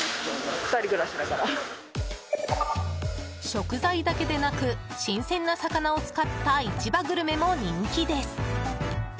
食材だけでなく新鮮な魚を使った市場グルメも人気です。